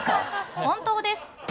本当です。